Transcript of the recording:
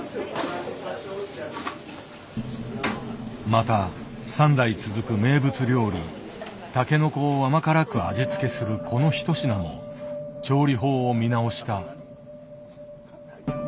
また３代続く名物料理タケノコを甘辛く味付けするこのひと品も調理法を見直した。